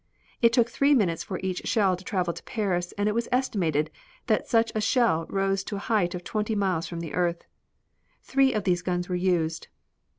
It took three minutes for each shell to travel to Paris and it was estimated that such a shell rose to a height of twenty miles from the earth. Three of these guns were used.